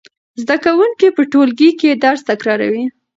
زده کوونکي په ټولګي کې درس تکراروي.